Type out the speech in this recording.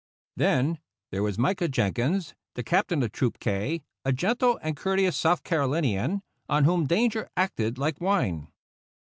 Then there was Micah Jenkins, the captain of Troop K, a gentle and courteous South Carolinian, on whom danger acted like wine.